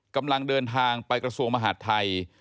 กำลังเดินทางไปกระทรวงมหาดไทย